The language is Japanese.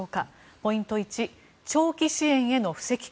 ポイント１長期支援への布石か？